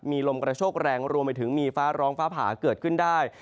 มีลมกระโชกแรงรวมไปถึงมีฟ้าร้องฟ้าผ่าเกิดขึ้นได้